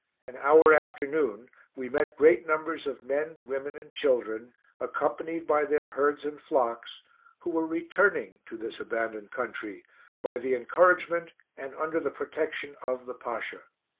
An hour after noon, we met great numbers of men, women, and children, accompanied by their herds and flocks, who were returning to this abandoned country, by the encouragement and under the protection of the Pasha.